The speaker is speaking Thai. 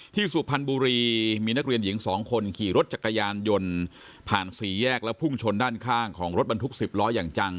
สุพรรณบุรีมีนักเรียนหญิง๒คนขี่รถจักรยานยนต์ผ่านสี่แยกแล้วพุ่งชนด้านข้างของรถบรรทุก๑๐ล้ออย่างจัง